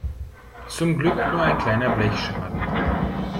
Zum Glück nur ein kleiner Blechschaden.